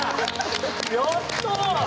やった！